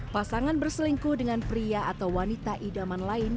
pasangan berselingkuh dengan pria atau wanita idaman lain